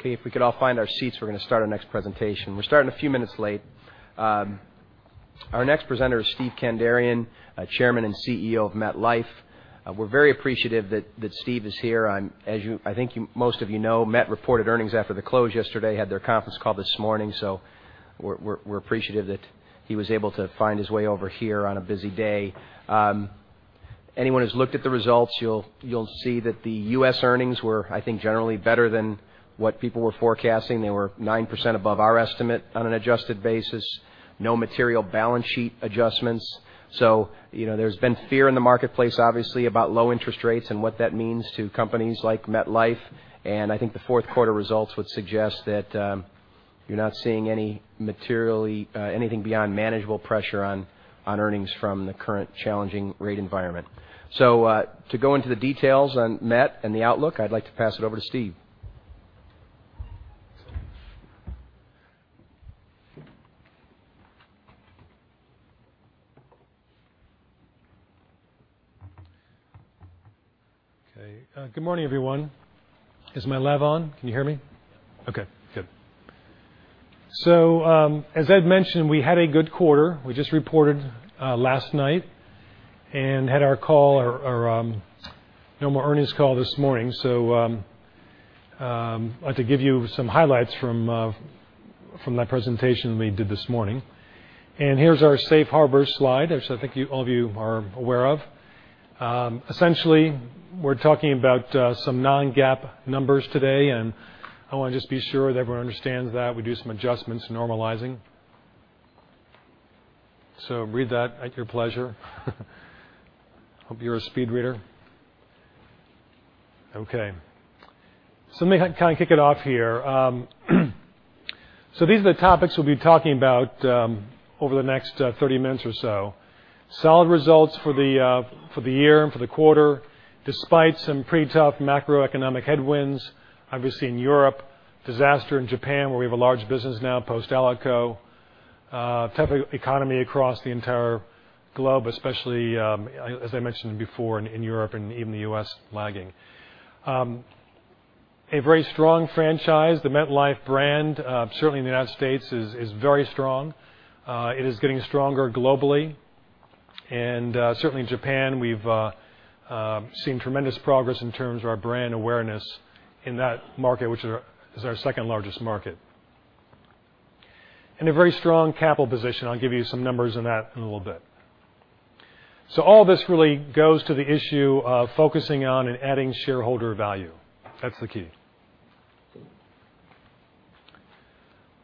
Okay. If we could all find our seats, we're going to start our next presentation. We're starting a few minutes late. Our next presenter is Steven Kandarian, Chairman and CEO of MetLife. We're very appreciative that Steve is here. As I think most of you know, Met reported earnings after the close yesterday, had their conference call this morning. We're appreciative that he was able to find his way over here on a busy day. Anyone who's looked at the results, you'll see that the U.S. earnings were, I think, generally better than what people were forecasting. They were 9% above our estimate on an adjusted basis. No material balance sheet adjustments. There's been fear in the marketplace, obviously, about low interest rates and what that means to companies like MetLife. I think the fourth quarter results would suggest that you're not seeing anything beyond manageable pressure on earnings from the current challenging rate environment. To go into the details on Met and the outlook, I'd like to pass it over to Steve. Okay. Good morning, everyone. Is my lav on? Can you hear me? Okay, good. As Ed mentioned, we had a good quarter. We just reported last night and had our call, our earnings call this morning. I'd like to give you some highlights from that presentation we did this morning. Here's our safe harbor slide, which I think all of you are aware of. Essentially, we're talking about some non-GAAP numbers today, and I want to just be sure that everyone understands that we do some adjustments normalizing. Read that at your pleasure. Hope you're a speed reader. Okay. Let me kind of kick it off here. These are the topics we'll be talking about over the next 30 minutes or so. Solid results for the year and for the quarter, despite some pretty tough macroeconomic headwinds, obviously in Europe, disaster in Japan, where we have a large business now post-ALICO. Tough economy across the entire globe, especially, as I mentioned before, in Europe and even the U.S. lagging. A very strong franchise. The MetLife brand, certainly in the United States, is very strong. It is getting stronger globally. Certainly in Japan, we've seen tremendous progress in terms of our brand awareness in that market, which is our second largest market. A very strong capital position. I'll give you some numbers on that in a little bit. All this really goes to the issue of focusing on and adding shareholder value. That's the key.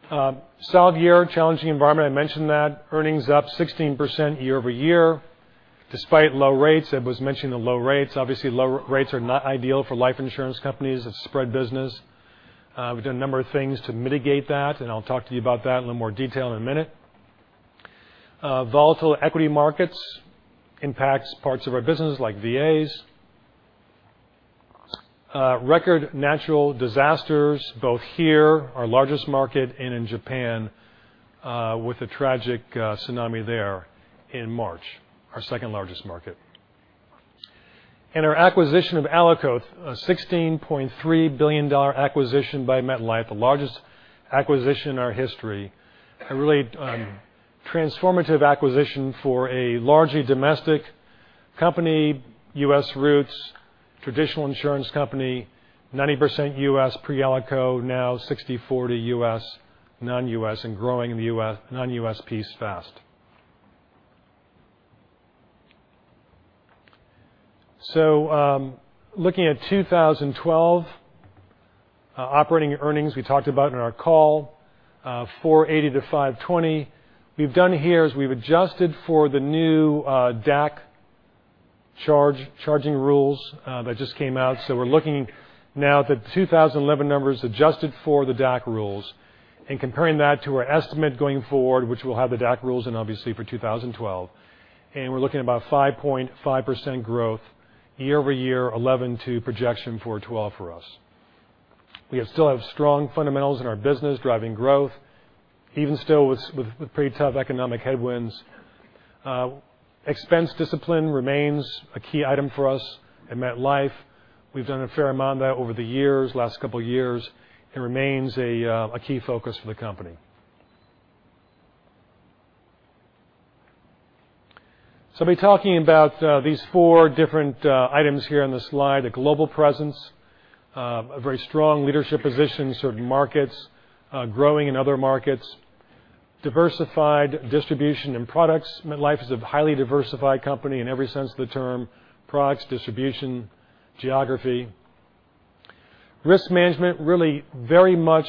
Solid year, challenging environment, I mentioned that. Earnings up 16% year-over-year, despite low rates. Ed was mentioning the low rates. Obviously, low rates are not ideal for life insurance companies. It's a spread business. We've done a number of things to mitigate that, and I'll talk to you about that in a little more detail in a minute. Volatile equity markets impact parts of our business, like VAs. Record natural disasters, both here, our largest market, and in Japan, with the tragic tsunami there in March, our second largest market. Our acquisition of ALICO, a $16.3 billion acquisition by MetLife, the largest acquisition in our history, a really transformative acquisition for a largely domestic company, U.S. roots, traditional insurance company, 90% U.S. pre-ALICO, now 60/40 U.S., non-U.S., and growing the non-U.S. piece fast. Looking at 2012, operating earnings we talked about in our call, $480 million-$520 million. We've done here is we've adjusted for the new DAC charging rules that just came out. We're looking now at the 2011 numbers adjusted for the DAC rules and comparing that to our estimate going forward, which will have the DAC rules in obviously for 2012. We're looking at about 5.5% growth year-over-year, 2011 to projection for 2012 for us. We still have strong fundamentals in our business driving growth, even still with pretty tough economic headwinds. Expense discipline remains a key item for us at MetLife. We've done a fair amount of that over the years, last couple of years. It remains a key focus for the company. I'll be talking about these four different items here on the slide, a global presence, a very strong leadership position in certain markets, growing in other markets. Diversified distribution and products. MetLife is a highly diversified company in every sense of the term, products, distribution, geography. Risk management, really very much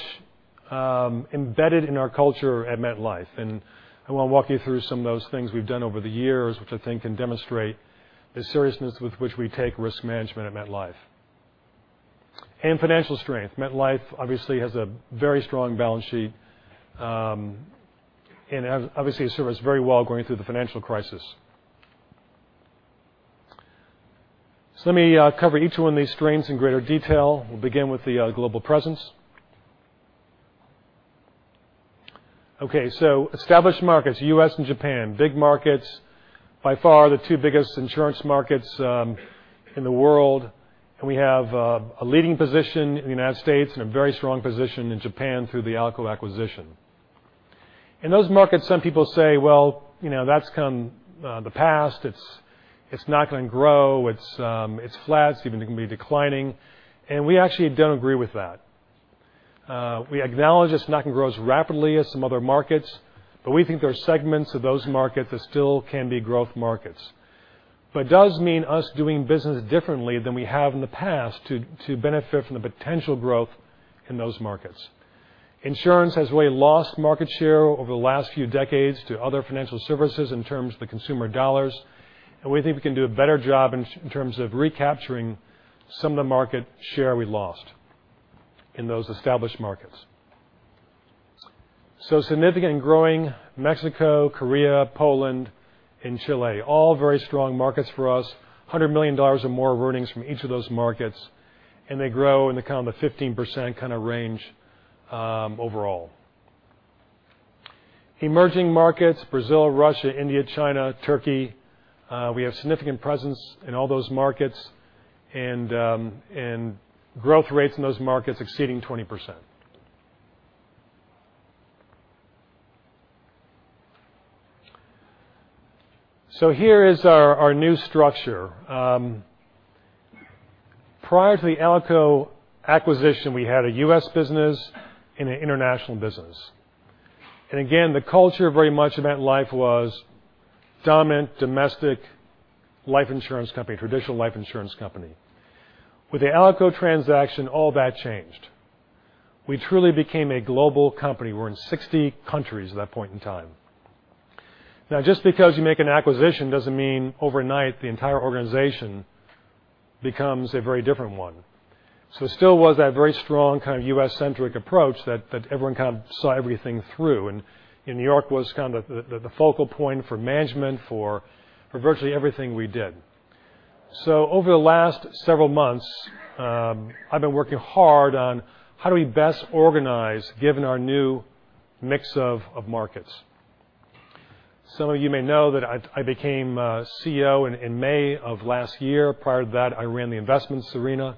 embedded in our culture at MetLife. I want to walk you through some of those things we've done over the years, which I think can demonstrate the seriousness with which we take risk management at MetLife. Financial strength. MetLife obviously has a very strong balance sheet and obviously has served us very well going through the financial crisis. Let me cover each one of these strains in greater detail. We'll begin with the global presence. Established markets, U.S. and Japan, big markets. By far, the two biggest insurance markets in the world, and we have a leading position in the United States and a very strong position in Japan through the ALICO acquisition. In those markets, some people say, "Well, that's the past. It's not going to grow. It's flat. It's even going to be declining." We actually don't agree with that. We acknowledge it's not going to grow as rapidly as some other markets, but we think there are segments of those markets that still can be growth markets. It does mean us doing business differently than we have in the past to benefit from the potential growth in those markets. Insurance has really lost market share over the last few decades to other financial services in terms of the consumer dollars, and we think we can do a better job in terms of recapturing some of the market share we lost in those established markets. Significant and growing, Mexico, Korea, Poland, and Chile, all very strong markets for us. $100 million or more of earnings from each of those markets, and they grow in the 15% kind of range overall. Emerging markets, Brazil, Russia, India, China, Turkey. We have significant presence in all those markets and growth rates in those markets exceeding 20%. Here is our new structure. Prior to the ALICO acquisition, we had a U.S. business and an international business. Again, the culture very much of MetLife was dominant domestic life insurance company, traditional life insurance company. With the ALICO transaction, all that changed. We truly became a global company. We are in 60 countries at that point in time. Just because you make an acquisition doesn't mean overnight the entire organization becomes a very different one. There still was that very strong kind of U.S.-centric approach that everyone kind of saw everything through, and New York was the focal point for management, for virtually everything we did. Over the last several months, I've been working hard on how do we best organize given our new mix of markets. Some of you may know that I became CEO in May of last year. Prior to that, I ran the investments arena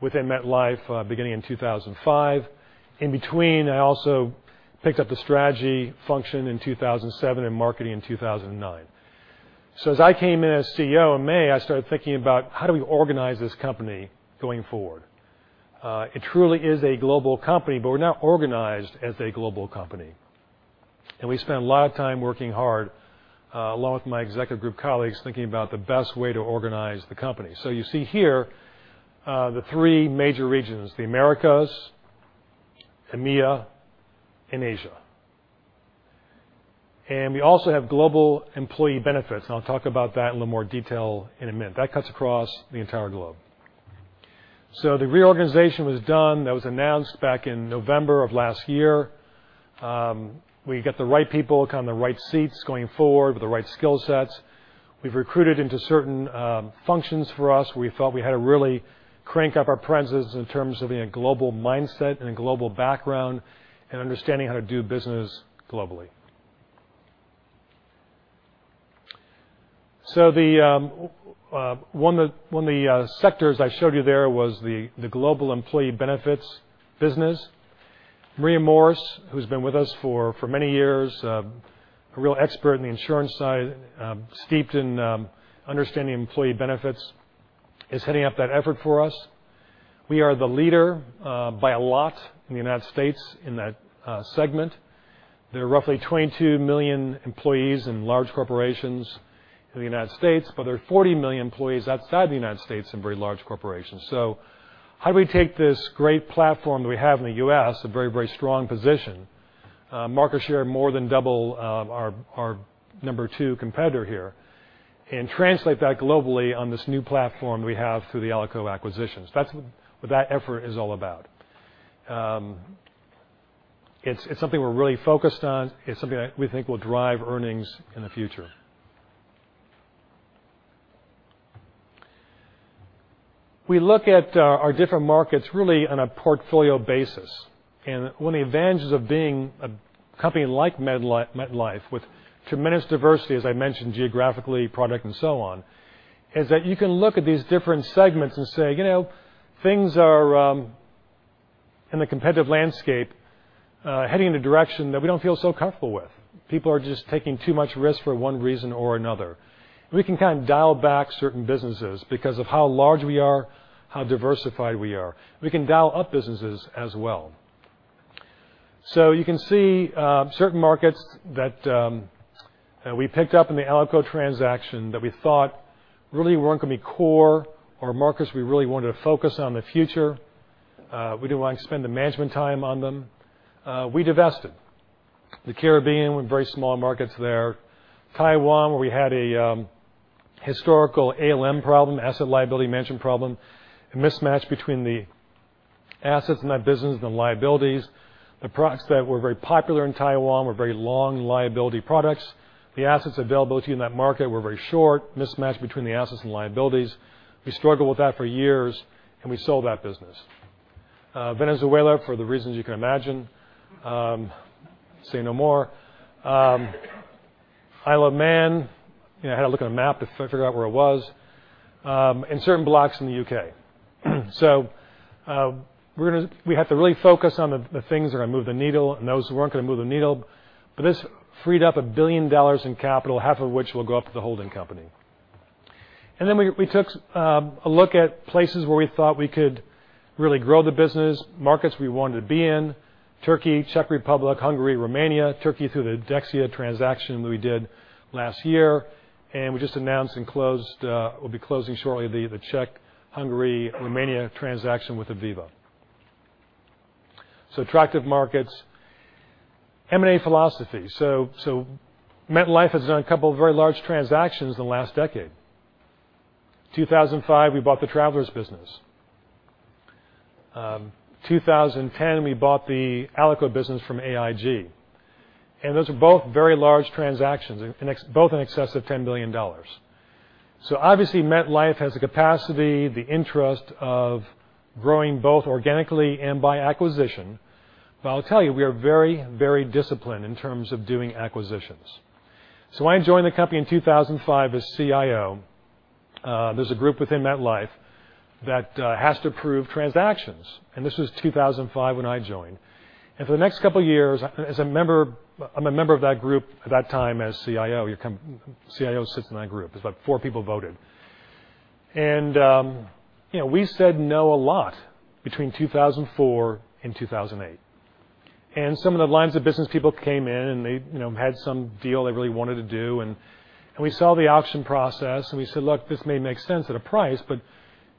within MetLife, beginning in 2005. In between, I also picked up the strategy function in 2007 and marketing in 2009. As I came in as CEO in May, I started thinking about how do we organize this company going forward. It truly is a global company, but we are not organized as a global company, and we spent a lot of time working hard, along with my executive group colleagues, thinking about the best way to organize the company. You see here the three major regions, the Americas, EMEA, and Asia. We also have Global Employee Benefits, and I'll talk about that in a little more detail in a minute. That cuts across the entire globe. The reorganization was done. That was announced back in November of last year. We got the right people, kind of the right seats going forward with the right skill sets. We've recruited into certain functions for us. We felt we had to really crank up our presence in terms of being a global mindset and a global background and understanding how to do business globally. One of the sectors I showed you there was the Global Employee Benefits business. Maria Morris, who's been with us for many years, a real expert in the insurance side, steeped in understanding employee benefits, is heading up that effort for us. We are the leader by a lot in the U.S. in that segment. There are roughly 22 million employees in large corporations in the U.S., but there are 40 million employees outside the U.S. in very large corporations. How do we take this great platform that we have in the U.S., a very, very strong position, market share more than double our number two competitor here, and translate that globally on this new platform we have through the ALICO acquisitions? That's what that effort is all about. It's something we're really focused on. It's something that we think will drive earnings in the future. We look at our different markets really on a portfolio basis. One of the advantages of being a company like MetLife with tremendous diversity, as I mentioned, geographically, product, and so on, is that you can look at these different segments and say, "Things are in a competitive landscape heading in a direction that we don't feel so comfortable with." People are just taking too much risk for one reason or another. We can kind of dial back certain businesses because of how large we are, how diversified we are. We can dial up businesses as well. You can see certain markets that we picked up in the ALICO transaction that we thought really weren't going to be core or markets we really wanted to focus on in the future. We didn't want to spend the management time on them. We divested. The Caribbean, very small markets there. Taiwan, where we had a historical ALM problem, asset liability management problem, a mismatch between the assets in that business and the liabilities. The products that were very popular in Taiwan were very long liability products. The assets availability in that market were very short, mismatch between the assets and liabilities. We struggled with that for years. We sold that business. Venezuela, for the reasons you can imagine. Say no more. Isle of Man. I had to look at a map to figure out where it was, and certain blocks in the U.K. We have to really focus on the things that are going to move the needle and those that weren't going to move the needle. This freed up $1 billion in capital, half of which will go up to the holding company. We took a look at places where we thought we could really grow the business, markets we wanted to be in. Turkey, Czech Republic, Hungary, Romania. Turkey through the Dexia transaction we did last year. We just announced and will be closing shortly the Czech, Hungary, Romania transaction with Aviva. Attractive markets. M&A philosophy. MetLife has done a couple of very large transactions in the last decade. 2005, we bought the Travelers business. 2010, we bought the ALICO business from AIG. Those are both very large transactions, both in excess of $10 billion. Obviously MetLife has the capacity, the interest of growing both organically and by acquisition. I'll tell you, we are very disciplined in terms of doing acquisitions. When I joined the company in 2005 as CIO, there's a group within MetLife that has to approve transactions, and this was 2005 when I joined. For the next couple of years, I'm a member of that group at that time as CIO. CIO sits in that group. There's about four people voted. We said no a lot between 2004 and 2008. Some of the lines of business people came in and they had some deal they really wanted to do, and we saw the auction process, and we said, "Look, this may make sense at a price," but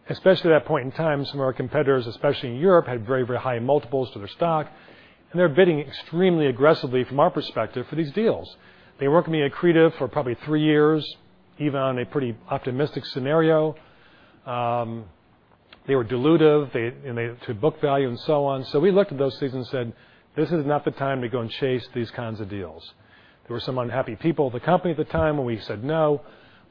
especially at that point in time, some of our competitors, especially in Europe, had very high multiples to their stock, and they were bidding extremely aggressively from our perspective for these deals. They weren't going to be accretive for probably three years, even on a pretty optimistic scenario. They were dilutive to book value and so on. We looked at those things and said, "This is not the time to go and chase these kinds of deals." There were some unhappy people at the company at the time when we said no,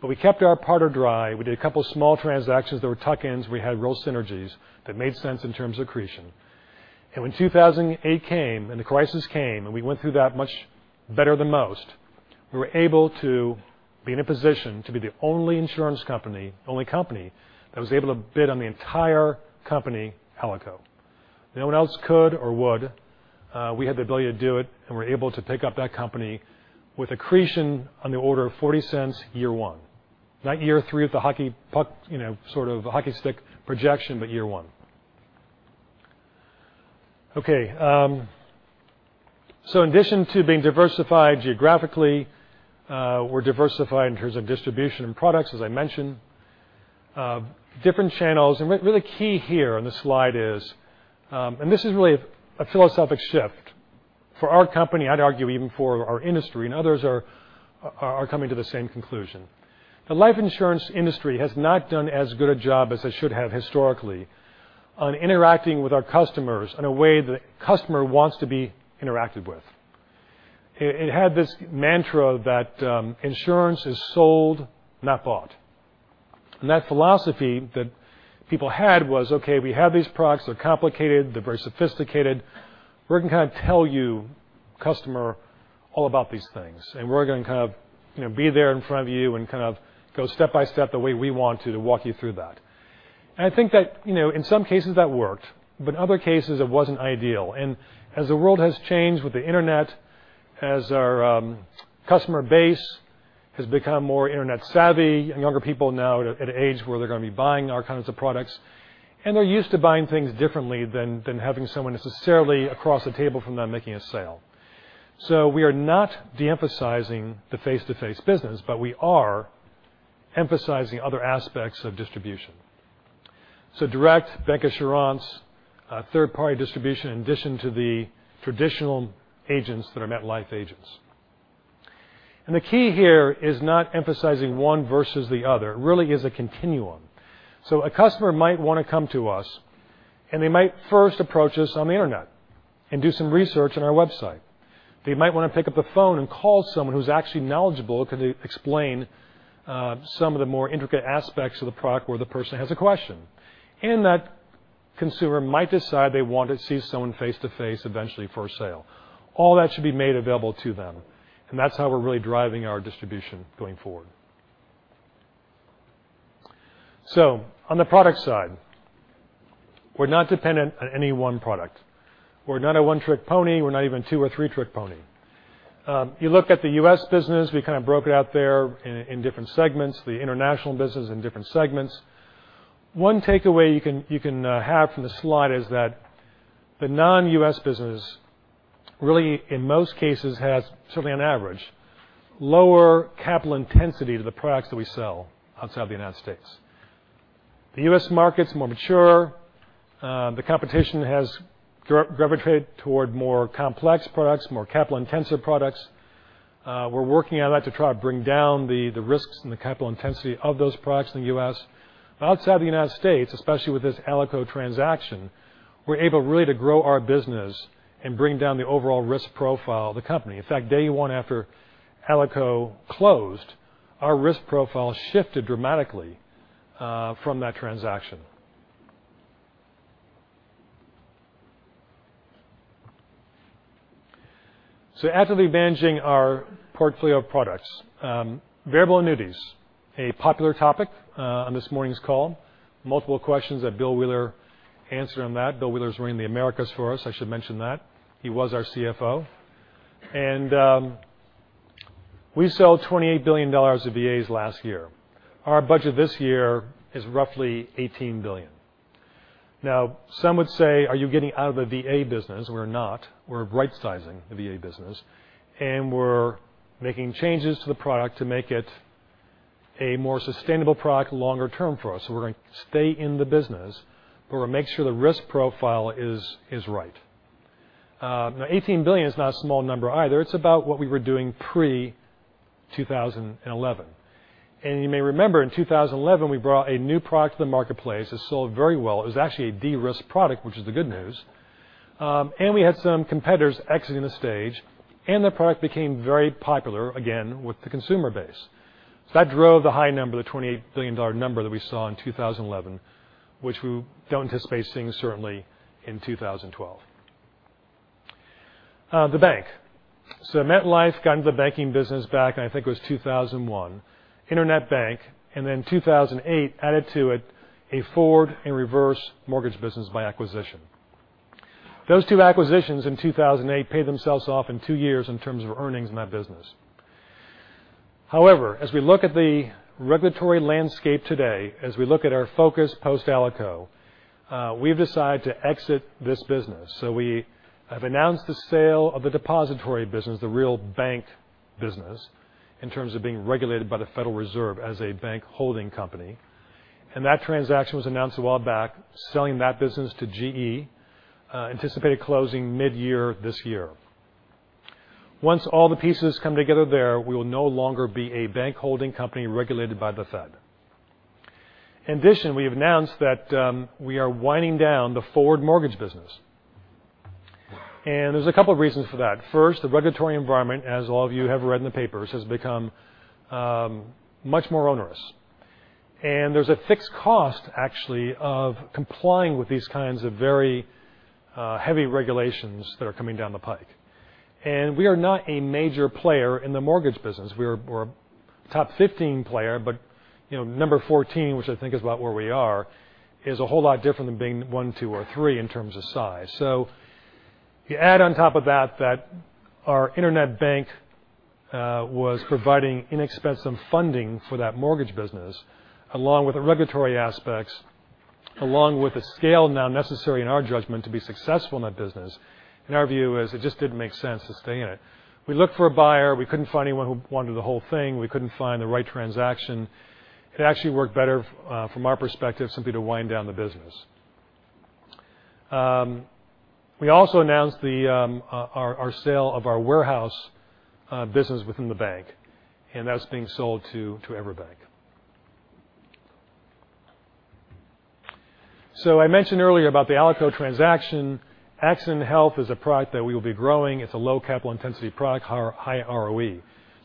but we kept our powder dry. We did a couple of small transactions that were tuck-ins. We had real synergies that made sense in terms of accretion. When 2008 came, and the crisis came, and we went through that much better than most, we were able to be in a position to be the only insurance company, only company, that was able to bid on the entire company, ALICO. No one else could or would. We had the ability to do it, were able to pick up that company with accretion on the order of $0.40 year one. Not year three at the sort of hockey stick projection, but year one. Okay. In addition to being diversified geographically, we're diversified in terms of distribution and products, as I mentioned. Different channels. Really key here on this slide is, this is really a philosophic shift for our company, I'd argue even for our industry and others are coming to the same conclusion. The life insurance industry has not done as good a job as it should have historically on interacting with our customers in a way the customer wants to be interacted with. It had this mantra that insurance is sold, not bought. That philosophy that people had was, okay, we have these products, they're complicated, they're very sophisticated. We're going to kind of tell you, customer, all about these things, and we're going to kind of be there in front of you and kind of go step by step the way we want to walk you through that. I think that, in some cases, that worked, but in other cases, it wasn't ideal. As the world has changed with the internet, as our customer base has become more internet savvy and younger people now at an age where they're going to be buying our kinds of products, and they're used to buying things differently than having someone necessarily across the table from them making a sale. We are not de-emphasizing the face-to-face business, but we are emphasizing other aspects of distribution. Direct bancassurance, third-party distribution in addition to the traditional agents that are MetLife agents. The key here is not emphasizing one versus the other. It really is a continuum. A customer might want to come to us and they might first approach us on the internet and do some research on our website. They might want to pick up the phone and call someone who's actually knowledgeable, who can explain some of the more intricate aspects of the product where the person has a question. That consumer might decide they want to see someone face-to-face eventually for a sale. All that should be made available to them, and that's how we're really driving our distribution going forward. On the product side, we're not dependent on any one product. We're not a one-trick pony. We're not even two or three-trick pony. You look at the U.S. business, we kind of broke it out there in different segments, the international business in different segments. One takeaway you can have from this slide is that the non-U.S. business really, in most cases, has certainly on average, lower capital intensity to the products that we sell outside the United States. The U.S. market's more mature. The competition has gravitated toward more complex products, more capital intensive products. We're working on that to try to bring down the risks and the capital intensity of those products in the U.S. Outside the United States, especially with this ALICO transaction, we're able really to grow our business and bring down the overall risk profile of the company. In fact, day one after ALICO closed, our risk profile shifted dramatically from that transaction. Actively managing our portfolio of products. variable annuities, a popular topic on this morning's call. Multiple questions that Bill Wheeler answered on that. Bill Wheeler's running The Americas for us, I should mention that. He was our CFO. We sold $28 billion of VAs last year. Our budget this year is roughly $18 billion. Some would say, "Are you getting out of the VA business?" We're not. We're right-sizing the VA business, and we're making changes to the product to make it a more sustainable product longer term for us. We're going to stay in the business, but we're going to make sure the risk profile is right. $18 billion is not a small number either. It's about what we were doing pre-2011. You may remember in 2011, we brought a new product to the marketplace. It sold very well. It was actually a de-risk product, which is the good news. We had some competitors exiting the stage, and the product became very popular again with the consumer base. That drove the high number, the $28 billion number that we saw in 2011, which we don't anticipate seeing certainly in 2012. The bank. MetLife got into the banking business back in, I think it was 2001. Internet bank. 2008 added to it a forward and reverse mortgage business by acquisition. Those two acquisitions in 2008 paid themselves off in two years in terms of earnings in that business. However, as we look at the regulatory landscape today, as we look at our focus post-ALICO, we've decided to exit this business. We have announced the sale of the depository business, the real bank business, in terms of being regulated by the Federal Reserve as a bank holding company. That transaction was announced a while back, selling that business to GE, anticipated closing mid-year this year. Once all the pieces come together there, we will no longer be a bank holding company regulated by the Fed. In addition, we have announced that we are winding down the forward mortgage business. There's a couple of reasons for that. First, the regulatory environment, as all of you have read in the papers, has become much more onerous. There's a fixed cost, actually, of complying with these kinds of very heavy regulations that are coming down the pike. We are not a major player in the mortgage business. We're a top 15 player, but number 14, which I think is about where we are, is a whole lot different than being one, two, or three in terms of size. You add on top of that our internet bank was providing inexpensive funding for that mortgage business, along with the regulatory aspects, along with the scale now necessary in our judgment to be successful in that business and our view is it just didn't make sense to stay in it. We looked for a buyer. We couldn't find anyone who wanted the whole thing. We couldn't find the right transaction. It actually worked better from our perspective simply to wind down the business. We also announced our sale of our warehouse business within the bank, and that's being sold to EverBank. I mentioned earlier about the ALICO transaction. Accident & Health is a product that we will be growing. It's a low capital intensity product, high ROE.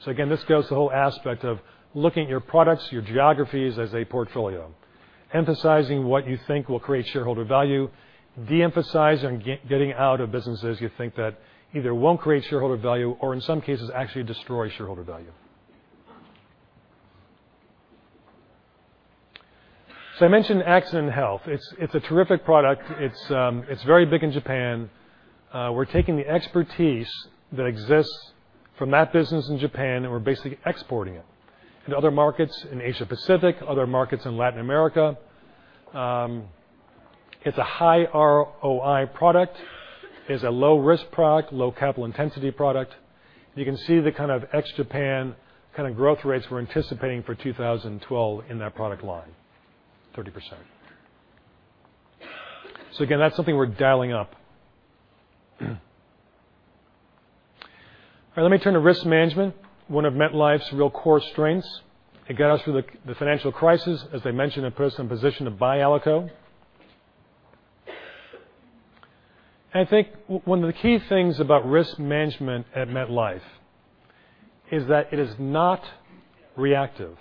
Again, this goes to the whole aspect of looking at your products, your geographies as a portfolio, emphasizing what you think will create shareholder value, de-emphasizing getting out of businesses you think that either won't create shareholder value or in some cases actually destroy shareholder value. I mentioned Accident & Health. It's a terrific product. It's very big in Japan. We're taking the expertise that exists from that business in Japan, and we're basically exporting it into other markets in Asia Pacific, other markets in Latin America. It's a high ROI product. It's a low risk product, low capital intensity product. You can see the kind of ex-Japan growth rates we're anticipating for 2012 in that product line, 30%. Again, that's something we're dialing up. All right, let me turn to risk management, one of MetLife's real core strengths. It got us through the financial crisis. As I mentioned, it put us in position to buy ALICO. I think one of the key things about risk management at MetLife is that it is not reactive.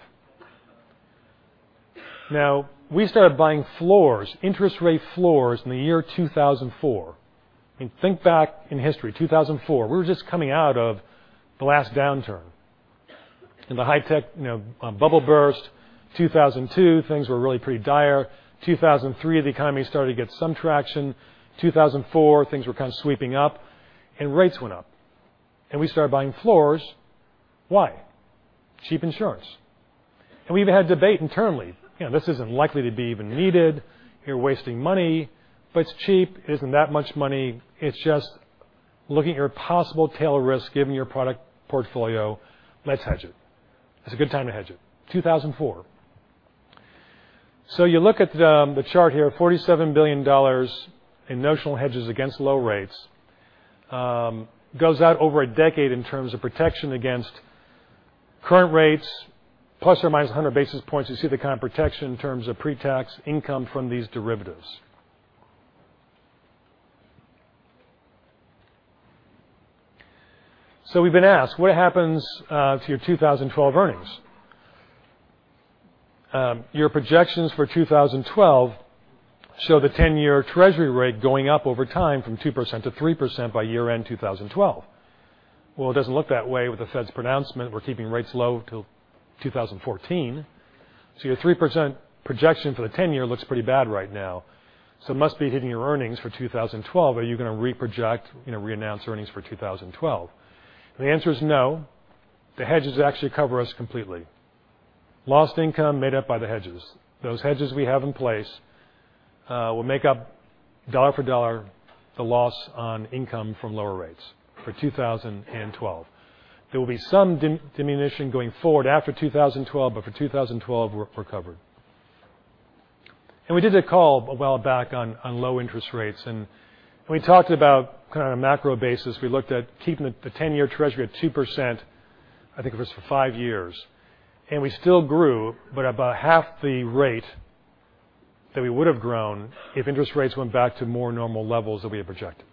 Now, we started buying floors, interest rate floors in the year 2004. Think back in history, 2004. We were just coming out of the last downturn and the high-tech bubble burst. 2002, things were really pretty dire. 2003, the economy started to get some traction. 2004, things were kind of sweeping up and rates went up, and we started buying floors. Why? Cheap insurance. We even had debate internally. This isn't likely to be even needed. You're wasting money, but it's cheap. It isn't that much money. It's just looking at your possible tail risk given your product portfolio. Let's hedge it. It's a good time to hedge it, 2004. You look at the chart here, $47 billion in notional hedges against low rates. Goes out over a decade in terms of protection against current rates, plus or minus 100 basis points. You see the kind of protection in terms of pre-tax income from these derivatives. We've been asked, what happens to your 2012 earnings? Your projections for 2012 show the 10-year treasury rate going up over time from 2%-3% by year-end 2012. Well, it doesn't look that way with the Fed's pronouncement. We're keeping rates low till 2014. Your 3% projection for the 10-year looks pretty bad right now. It must be hitting your earnings for 2012. Are you going to re-project, reannounce earnings for 2012? The answer is no. The hedges actually cover us completely. Lost income made up by the hedges. Those hedges we have in place will make up dollar for dollar the loss on income from lower rates for 2012. There will be some diminution going forward after 2012, but for 2012, we're covered. We did a call a while back on low interest rates. We talked about kind of macro basis. We looked at keeping the 10-year Treasury at 2%, I think it was for five years. We still grew, but about half the rate that we would have grown if interest rates went back to more normal levels that we had projected.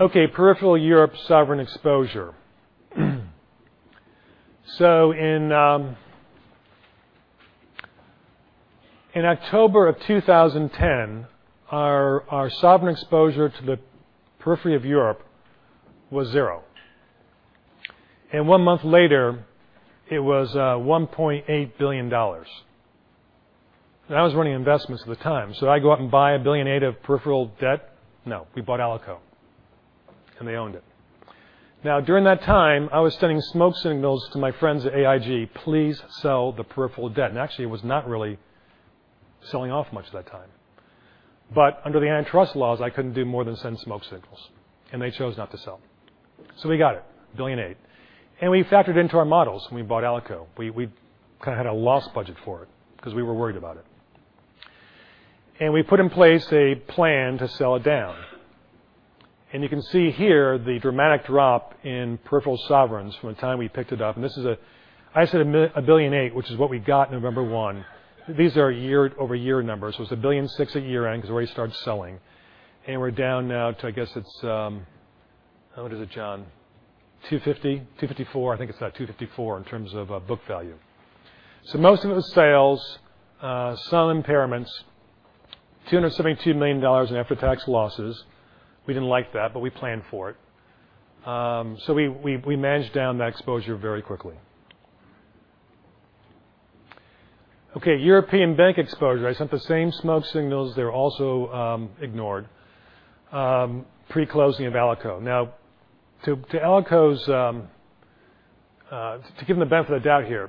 Okay, peripheral Europe sovereign exposure. In October of 2010, our sovereign exposure to the periphery of Europe was zero. One month later, it was $1.8 billion. I was running investments at the time. Do I go out and buy $1.8 billion of peripheral debt? No. We bought ALICO. They owned it. During that time, I was sending smoke signals to my friends at AIG, "Please sell the peripheral debt." Actually, it was not really selling off much at that time. Under the antitrust laws, I couldn't do more than send smoke signals, and they chose not to sell. We got it, $1.8 billion. We factored it into our models when we bought ALICO. We kind of had a loss budget for it because we were worried about it. We put in place a plan to sell it down. You can see here the dramatic drop in peripheral sovereigns from the time we picked it up. I said $1.8 billion, which is what we got November one. These are year-over-year numbers. It was $1.6 billion at year-end because we already started selling. We're down now to, I guess it's What is it, John? $250, $254. I think it's at $254 in terms of book value. Most of it was sales, some impairments, $272 million in after-tax losses. We didn't like that, but we planned for it. We managed down that exposure very quickly. Okay, European bank exposure. I sent the same smoke signals. They were also ignored pre-closing of ALICO. To give them the benefit of the doubt here,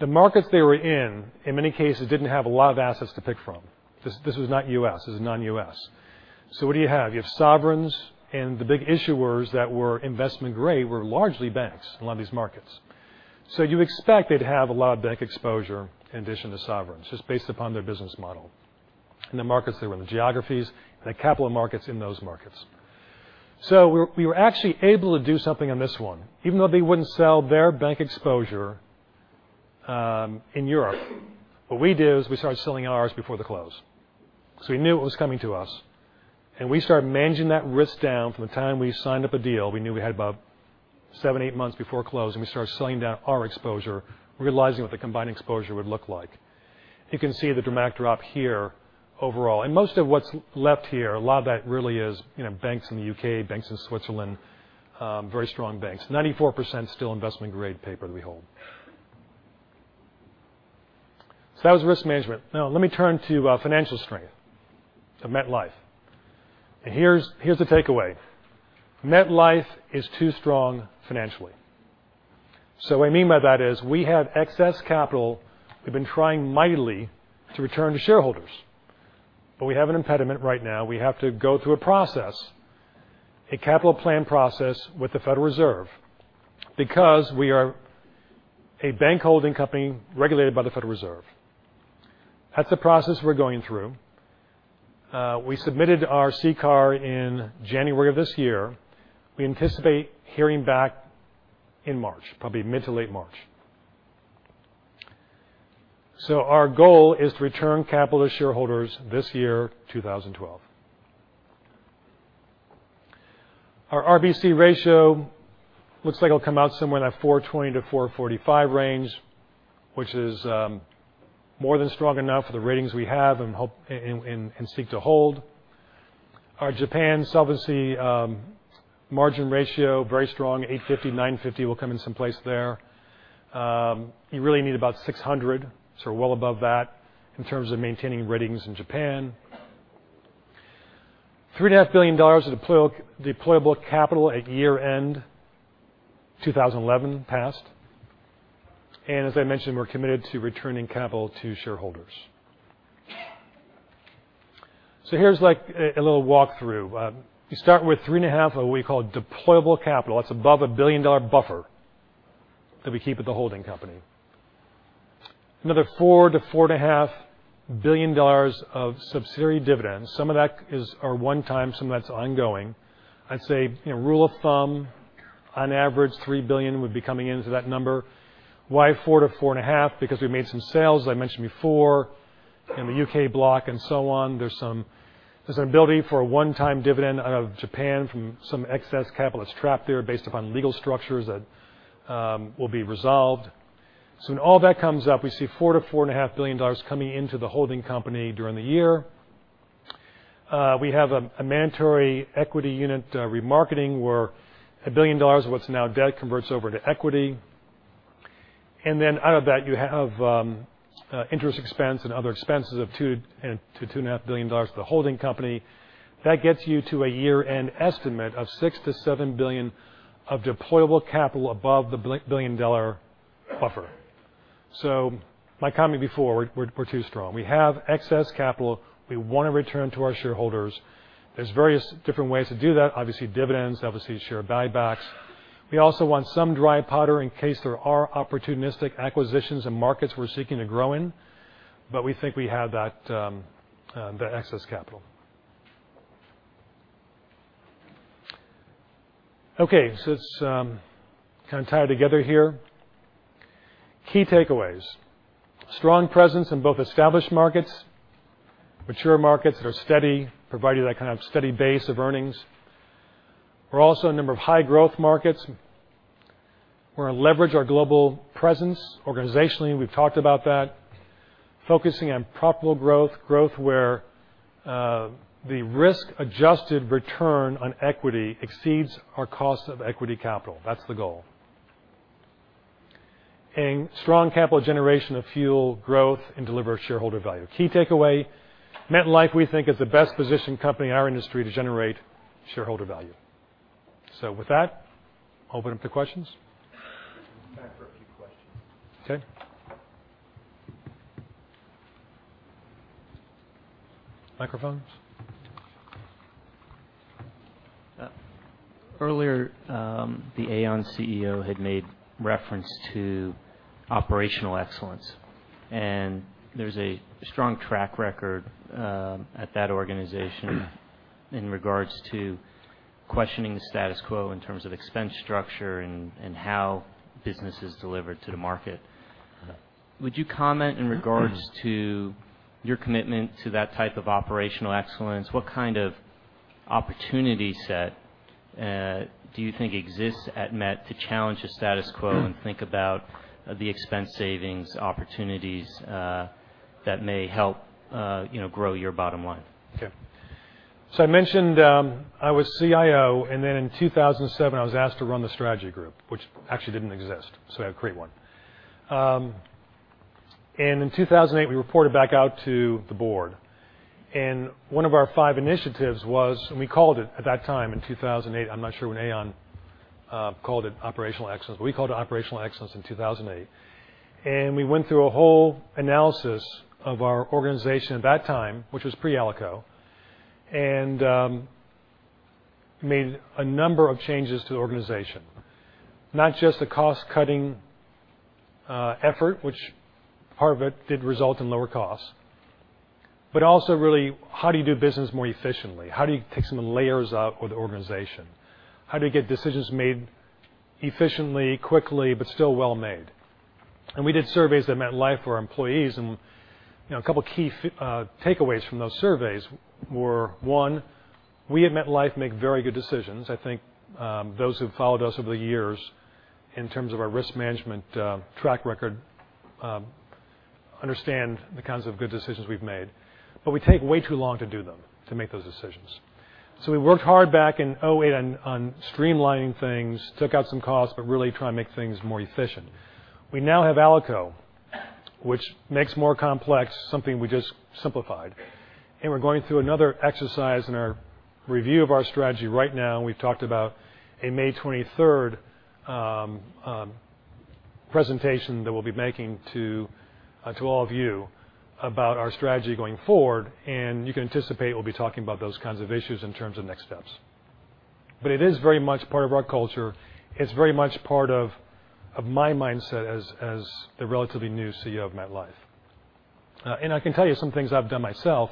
the markets they were in many cases, didn't have a lot of assets to pick from. This was not U.S. This is non-U.S. What do you have? You have sovereigns and the big issuers that were investment-grade were largely banks in a lot of these markets. You expect they'd have a lot of bank exposure in addition to sovereigns, just based upon their business model and the markets they were in, the geographies, and the capital markets in those markets. We were actually able to do something on this one. Even though they wouldn't sell their bank exposure in Europe, what we did is we started selling ours before the close. We knew it was coming to us, and we started managing that risk down from the time we signed up a deal. We knew we had about seven, eight months before close, and we started selling down our exposure, realizing what the combined exposure would look like. You can see the dramatic drop here overall. Most of what's left here, a lot of that really is banks in the U.K., banks in Switzerland, very strong banks. 94% still investment-grade paper that we hold. That was risk management. Let me turn to financial strength of MetLife. Here's the takeaway. MetLife is too strong financially. What I mean by that is we have excess capital we've been trying mightily to return to shareholders. We have an impediment right now. We have to go through a process, a capital plan process with the Federal Reserve because we are a bank holding company regulated by the Federal Reserve. That's the process we're going through. We submitted our CCAR in January of this year. We anticipate hearing back in March, probably mid to late March. Our goal is to return capital to shareholders this year, 2012. Our RBC ratio looks like it'll come out somewhere in that 420-445 range, which is more than strong enough for the ratings we have and seek to hold. Our Japan solvency margin ratio, very strong, 850-950, will come in some place there. You really need about 600, so we're well above that in terms of maintaining ratings in Japan. $3.5 billion of deployable capital at year-end 2011 passed. As I mentioned, we're committed to returning capital to shareholders. Here's a little walkthrough. You start with 3.5 of what we call deployable capital. That's above a $1 billion buffer that we keep at the holding company. Another $4 billion-$4.5 billion of subsidiary dividends. Some of that are one time, some of that's ongoing. I'd say, rule of thumb, on average, $3 billion would be coming into that number. Why $4 billion-$4.5 billion? Because we made some sales, as I mentioned before, in the U.K. block and so on. There's some ability for a one-time dividend out of Japan from some excess capital that's trapped there based upon legal structures that will be resolved. When all that comes up, we see $4 billion-$4.5 billion coming into the holding company during the year. We have a mandatory equity unit remarketing where $1 billion of what's now debt converts over to equity. And then out of that, you have interest expense and other expenses of $2 billion-$2.5 billion to the holding company. That gets you to a year-end estimate of $6 billion-$7 billion of deployable capital above the $1 billion buffer. My comment before, we're too strong. We have excess capital we want to return to our shareholders. There's various different ways to do that. Obviously, dividends, obviously, share buybacks. We also want some dry powder in case there are opportunistic acquisitions in markets we're seeking to grow in. We think we have that excess capital. Let's kind of tie it together here. Key takeaways. Strong presence in both established markets, mature markets that are steady, provide you that kind of steady base of earnings. We're also in a number of high-growth markets where we leverage our global presence. Organizationally, we've talked about that. Focusing on profitable growth where, the risk-adjusted return on equity exceeds our cost of equity capital. That's the goal. A strong capital generation to fuel growth and deliver shareholder value. Key takeaway, MetLife, we think, is the best-positioned company in our industry to generate shareholder value. With that, open up to questions. Time for a few questions. Microphones. Earlier, the Aon CEO had made reference to operational excellence. There's a strong track record at that organization in regards to questioning the status quo in terms of expense structure and how business is delivered to the market. Would you comment in regards to your commitment to that type of operational excellence? What kind of opportunity set do you think exists at Met to challenge the status quo and think about the expense savings opportunities that may help grow your bottom line? I mentioned I was CIO. In 2007, I was asked to run the strategy group, which actually didn't exist. I had to create one. In 2008, we reported back out to the board. One of our five initiatives was. We called it at that time in 2008, I'm not sure when Aon called it operational excellence. We called it operational excellence in 2008. We went through a whole analysis of our organization at that time, which was pre-ALICO. We made a number of changes to the organization. Not just a cost-cutting effort, which part of it did result in lower costs, but also really how do you do business more efficiently? How do you take some of the layers out of the organization? How do you get decisions made efficiently, quickly, but still well-made? We did surveys at MetLife for our employees, and a couple of key takeaways from those surveys were, one, we at MetLife make very good decisions. I think those who've followed us over the years in terms of our risk management track record understand the kinds of good decisions we've made. We take way too long to do them, to make those decisions. We worked hard back in 2008 on streamlining things, took out some costs, but really trying to make things more efficient. We now have ALICO, which makes more complex something we just simplified. We're going through another exercise in our review of our strategy right now, and we've talked about a May 23rd presentation that we'll be making to all of you about our strategy going forward, and you can anticipate we'll be talking about those kinds of issues in terms of next steps. It is very much part of our culture. It's very much part of my mindset as the relatively new CEO of MetLife. I can tell you some things I've done myself.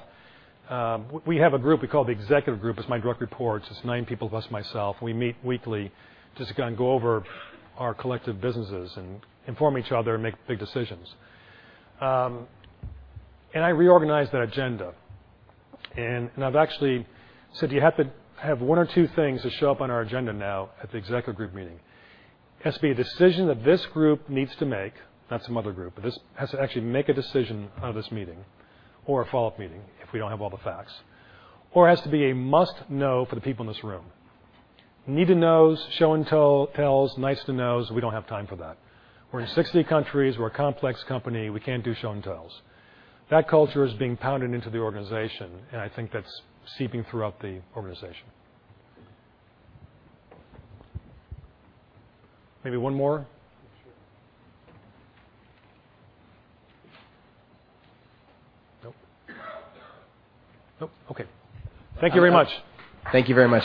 We have a group we call the executive group. It's my direct reports. It's nine people, plus myself. We meet weekly just to kind of go over our collective businesses and inform each other and make big decisions. I reorganized that agenda, and I've actually said you have to have one or two things that show up on our agenda now at the executive group meeting. It has to be a decision that this group needs to make, not some other group. This has to actually make a decision out of this meeting or a follow-up meeting if we don't have all the facts. It has to be a must-know for the people in this room. Need to knows, show and tells, nice to knows, we don't have time for that. We're in 60 countries. We're a complex company. We can't do show and tells. That culture is being pounded into the organization, and I think that's seeping throughout the organization. Maybe one more? Nope. Nope. Okay. Thank you very much. Thank you very much